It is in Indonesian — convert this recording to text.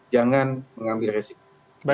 jangan mengambil resiko